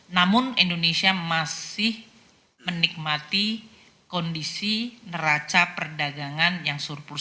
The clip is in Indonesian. namun indonesia masih menikmati kondisi neraca perdagangan yang surplus